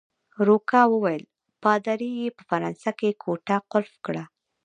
روکا وویل: پادري يې په فرانسه کې کوټه قلف کړه.